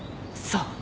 そう。